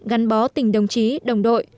gắn bó tình đồng chí đồng đội